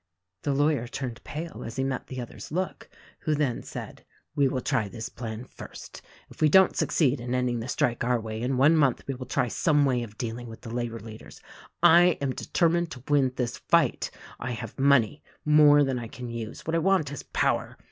The lawyer turned pale as he met the other's look, who then said, "We will try this plan first. If we don't suc ceed in ending the strike our way in one month we will try some way of dealing with the labor leaders. I am determined to win this fight. I have money — more than I can use. What I want is power.